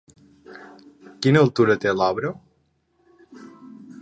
Quina altura té l'obra?